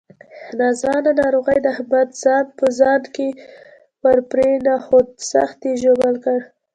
ناځوانه ناروغۍ د احمد ځان په ځان کې ورپرېنښود، سخت یې ژوبل کړ.